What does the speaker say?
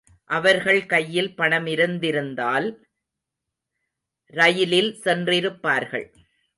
அவர்கள் கையில் பணமிருந்திருந்தால் ரயிலில் சென்றிருப்பார்கள்.